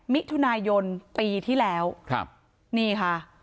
มิถุนายนปีที่แล้วครับนี่ค่ะ